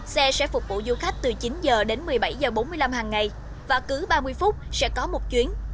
xe sẽ phục vụ du khách từ chín h đến một mươi bảy h bốn mươi năm hàng ngày và cứ ba mươi phút sẽ có một chuyến